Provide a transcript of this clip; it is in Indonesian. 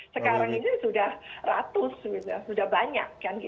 sekarang ini sudah ratus sudah banyak